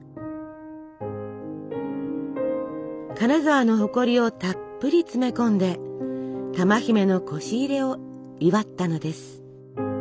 金沢の誇りをたっぷり詰め込んで珠姫のこし入れを祝ったのです。